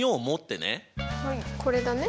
これだね。